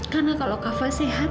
karena kalau kava sehat